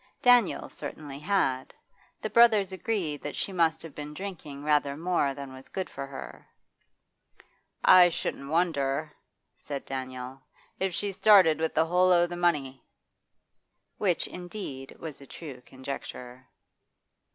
Daniel certainly had; the brothers agreed that she must have been drinking rather more than was good for her. 'I shouldn't wonder,' said Daniel, 'if she started with the whole o' the money.' Which, indeed, was a true conjecture.